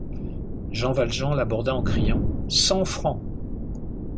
Jean Valjean l’aborda en criant: — Cent francs!